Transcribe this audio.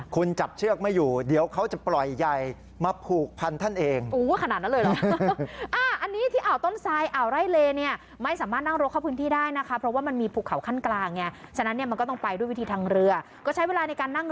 คุณจับเชือกไม่อยู่เดี๋ยวเขาจะปล่อยใยมาผูกพันท่านเอง